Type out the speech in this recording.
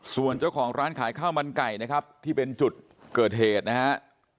ส่วนเจ้าของร้านขายข้าวมันไก่นะครับที่เป็นจุดเกิดเหตุนะฮะ